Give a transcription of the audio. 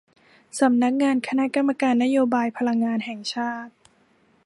สำนักงานคณะกรรมการนโยบายพลังงานแห่งชาติ